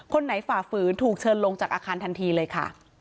คนไหนฝ่าฝืนถูกเชิญลงจากอาคารทันทีเลยค่ะ